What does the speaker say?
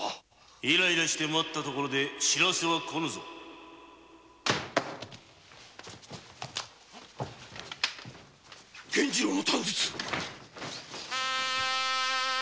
・イライラして待ったところで知らせは来ぬぞ！弦二郎の短筒！？